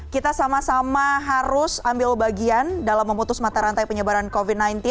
kita sama sama harus ambil bagian dalam memutus mata rantai penyebaran covid sembilan belas